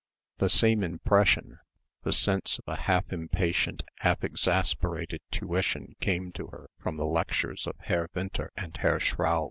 The same impression, the sense of a half impatient, half exasperated tuition came to her from the lectures of Herr Winter and Herr Schraub.